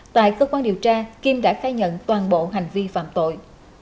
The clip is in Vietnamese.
tại cơ quan điều tra kim đã khai nhận toàn bộ hành vi phạm tội